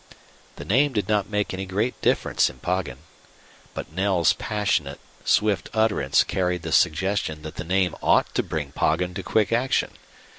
The name did not make any great difference in Poggin. But Knell's passionate, swift utterance carried the suggestion that the name ought to bring Poggin to quick action.